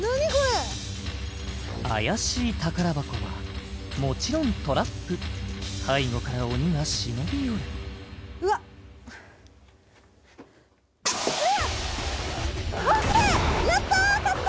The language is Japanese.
怪しい宝箱はもちろんトラップ背後から鬼が忍び寄るうわっＯＫやった当たった！